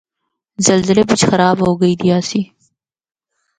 زلزلے بچ خراب ہو گئی دی آسی۔